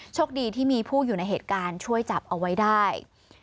โชคดีที่มีผู้อยู่ในเหตุการณ์ช่วยจับเอาไว้ได้